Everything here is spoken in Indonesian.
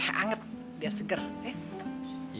teh anget biar segar ya